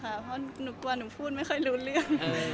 เพราะหนูกลัวหนูพูดไม่ค่อยรู้เรื่อง